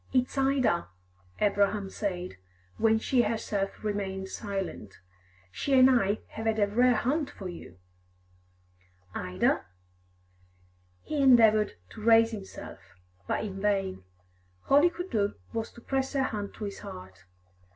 "It's Ida," Abraham said, when she herself remained silent. "She and I have had a rare hunt for you." "Ida?" He endeavoured to raise himself, but in vain. All he could do was to press her hand to his heart.